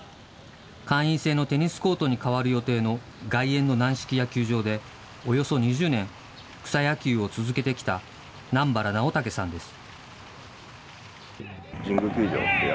会員制のテニスコートに変わる予定の外苑の軟式野球場で、およそ２０年、草野球を続けてきた、南原直岳さんです。